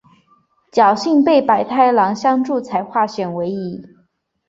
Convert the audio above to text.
侥幸被百太郎相助才化险为夷。